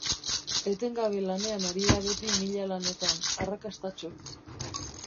Etengabe lanean ari da beti mila lanetan, arrakastatsu.